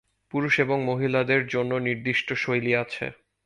পুরুষ এবং মহিলাদের জন্য নির্দিষ্ট শৈলী আছে।